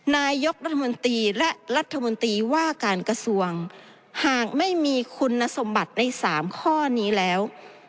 นายกรัฐมนตรีและรัฐมนตรีว่าการกระทรวงหากไม่มีคุณสมบัติใน๓ข้อนี้แล้ว